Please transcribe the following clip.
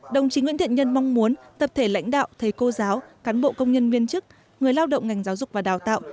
đồng chí nguyễn thiện nhân mong muốn tập thể lãnh đạo thầy cô giáo cán bộ công nhân viên chức người lao động ngành giáo dục và đào tạo